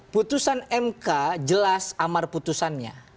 putusan mk jelas amar putusannya